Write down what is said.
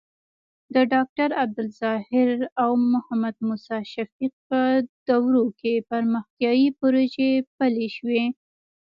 د ډاکټر عبدالظاهر او محمد موسي شفیق په دورو کې پرمختیايي پروژې پلې شوې.